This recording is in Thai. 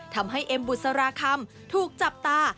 ทำให้เอ็มบุษราคำถูกจับตา